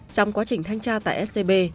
trong quá trình thanh tra tại scb